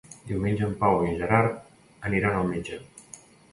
Diumenge en Pau i en Gerard aniran al metge.